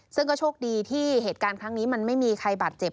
ซึ่งก็โชคดีที่เหตุการณ์ครั้งนี้มันไม่มีใครบาดเจ็บ